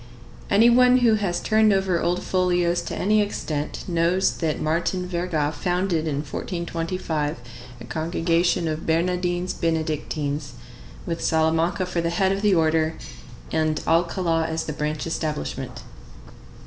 Any one who has turned over old folios to any extent knows that Martin Verga founded in 1425 a congregation of Bernardines Benedictines, with Salamanca for the head of the order, and Alcala as the branch establishment.